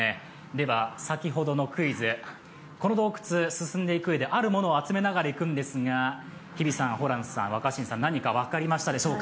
では先ほどのクイズ、この洞窟、進んでいくうえであるものを厚めながら進んでいくんですが日比さん、ホランさん、若新さん、何か分かりますでしょうか？